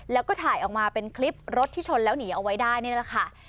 แล้วก็ถ่ายออกมาเป็นคลิปรถที่ชนแล้วหนีเอาไว้ได้นี่แหละค่ะ